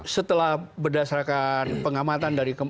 setelah berdasarkan pengamatan dari